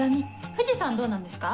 藤さんどうなんですか？